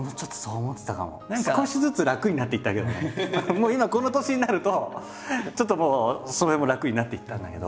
もう今この年になるとちょっともうその辺も楽になっていったんだけど。